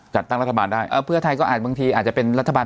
จัดตั้งรัฐบาลได้เพื่อไทยก็อาจบางทีอาจจะเป็นรัฐบาล